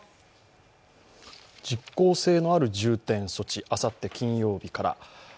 実効性のある重点措置、あさって金曜日から。